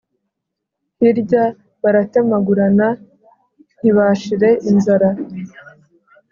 Hirya baratemagurana, ntibashire inzara,